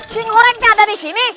si ngorengnya ada di sini